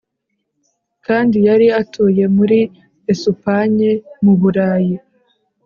kandi yari atuye muri esupanye muburayi